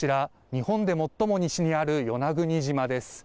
日本で最も西にある与那国島です。